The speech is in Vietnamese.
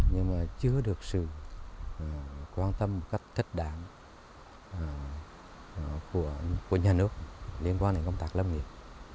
nhưng mà chưa được sự quan tâm cách thích đảng của nhà nước liên quan đến công tác làm việc